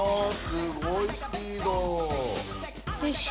すごいスピード。